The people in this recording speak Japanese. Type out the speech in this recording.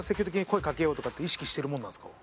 意識してるもんなんすか？